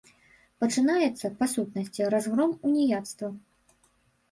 Пачынаецца, па сутнасці, разгром уніяцтва.